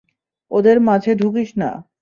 ওদের মাঝে ঢুকিস না।